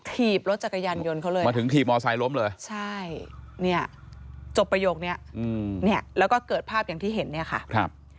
ถีบรถจักรยานยนต์เขาเลยจบประโยคนี้แล้วก็เกิดภาพอย่างที่เห็นเนี่ยค่ะ